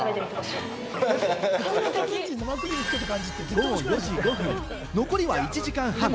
午後４時５分、残りは１時間半。